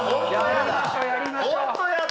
本当嫌だ。